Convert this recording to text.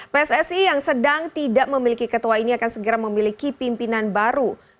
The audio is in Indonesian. pssi yang sedang tidak memiliki ketua ini akan segera memiliki pimpinan baru